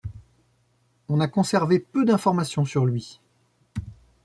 On a conservé peu d'informations sur lui.